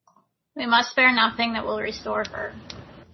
We must spare nothing that will restore her.